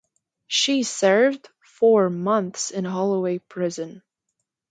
She served four months in Holloway prison.